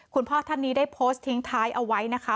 คุณพ่อท่านนี้ได้โพสต์ทิ้งท้ายเอาไว้นะคะ